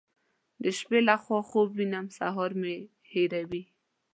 د شپې له خوا خوب وینم سهار مې هېروي.